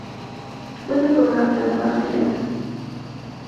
Cuenta con una planta baja y alta.